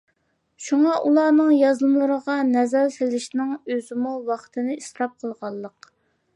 شۇڭا ئۇلارنىڭ يازمىلىرىغا نەزەر سېلىشنىڭ ئۆزىمۇ ۋاقىتنى ئىسراپ قىلغانلىق.